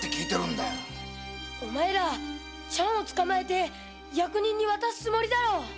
チャンを捕まえて役人に渡すつもりだろう。